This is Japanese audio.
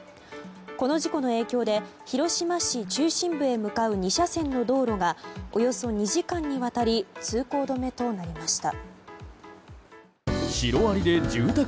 この事故の影響で広島市中心部へ向かう２車線の道路がおよそ２時間にわたり通行止めとなりました。